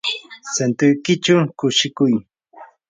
santuykichaw kushikuy.